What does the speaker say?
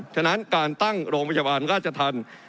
ฉะนั้นการตั้งโรงพยาบาลราชธรรม